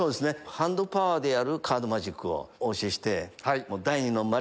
ハンドパワーでやるカードマジックをお教えして。